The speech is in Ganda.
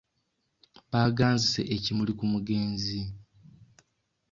Baaganzise ekimuli ku mugenzi.